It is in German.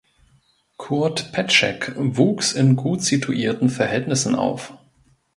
Kurt Petschek wuchs in gutsituierten Verhältnissen auf.